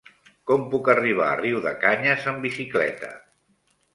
Com puc arribar a Riudecanyes amb bicicleta?